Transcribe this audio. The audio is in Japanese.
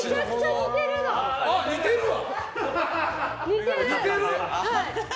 似てるわ！